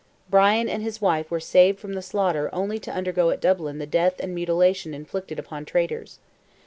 Brian and his wife were saved from the slaughter only to undergo at Dublin the death and mutilation inflicted upon traitors.